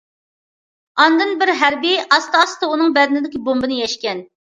ئاندىن بىر ھەربىي ئاستا- ئاستا ئۇنىڭ بەدىنىدىكى بومبىنى يەشكەن.